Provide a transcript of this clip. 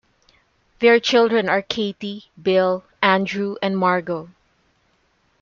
Their children are Katie, Bill, Andrew and Margot.